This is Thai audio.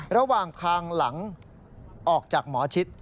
ระหว่างทางหลังออกจากหมอชิด